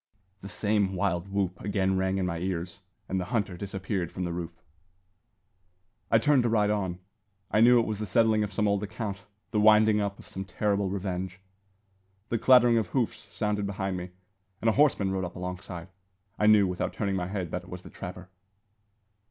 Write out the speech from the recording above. The same wild whoop again rang in my ears, and the hunter disappeared from the root. I turned to ride on. I knew it was the settling of some old account, the winding up of some terrible revenge. The clattering of hoofs sounded behind me, and a horseman rode up alongside. I knew, without turning my head, that it was the trapper.